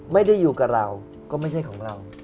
ไม่ได้อยู่กับเราก็ไม่ใช่ของเรา